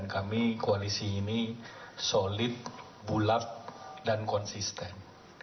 kami koalisi ini solid bulat dan konsisten